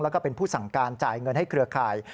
แล้วก็เป็นผู้สั่งการจ่ายเงินให้เครือข่าย